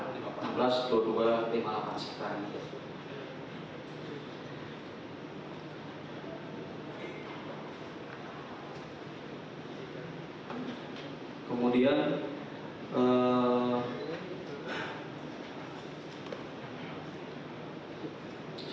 di daping sama salah satu petugas